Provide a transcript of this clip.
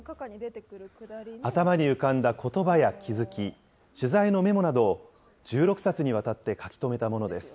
頭に浮かんだことばや気付き、取材のメモなどを、１６冊にわたって書き留めたものです。